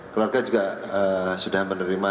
keluarga juga sudah menerima